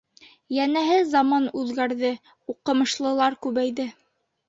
Йәнәһе, заман үҙгәрҙе, уҡымышлылар күбәйҙе.